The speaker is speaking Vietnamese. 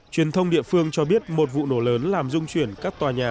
truyền thông địa phương cho biết một vụ nổ lớn làm dung chuyển các tòa nhà